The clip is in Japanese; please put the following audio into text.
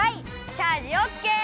チャージオッケー！